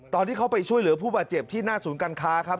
ตอนที่เขาไปช่วยเหลือผู้บาดเจ็บที่หน้าศูนย์การค้าครับ